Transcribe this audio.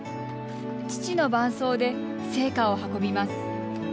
父の伴走で聖火を運びます。